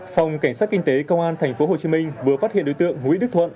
phòng cảnh sát kinh tế công an tp hcm vừa phát hiện đối tượng nguyễn đức thuận